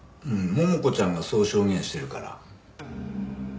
桃子ちゃんがそう証言してるから。